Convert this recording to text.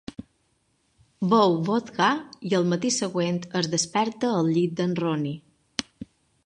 Beu vodka i al matí següent es desperta al llit d'en Ronnie.